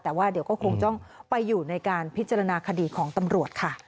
แต่ว่าเดี๋ยวก็คงต้องไปอยู่ในการพิจารณาคดีของตำรวจค่ะ